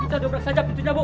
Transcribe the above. kita dobrak saja pintunya bu